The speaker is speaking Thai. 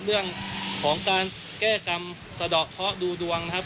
เรื่องของการแก้กรรมสะดอกเคาะดูดวงนะครับ